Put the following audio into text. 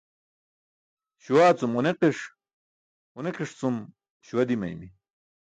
Śuwaa cum ġunikiṣ, ġunikiṣ cum śuwa dimaymi.